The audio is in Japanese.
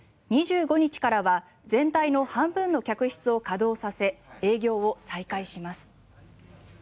２５日からは全体の半分の客室を稼働させ営業を再開します。